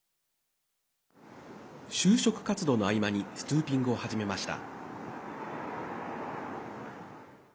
就職活動の合間にストゥーピングを始めました。